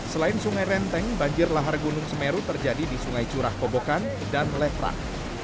selain sungai renteng banjir lahar gunung semeru terjadi di sungai curah kobokan dan leprang